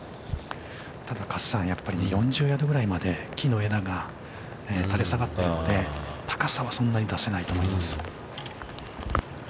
◆ただ加瀬さん、４０ヤードぐらいまで木の枝が垂れ下がっているので、高さはそんなに出せないと思います。